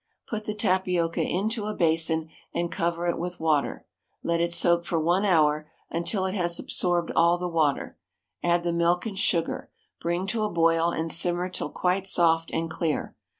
Put the tapioca into a basin, and cover it with water. Let it soak for 1 hour, until it has absorbed all the water. Add the milk and sugar. Bring to a boil, and simmer till quite soft and clear.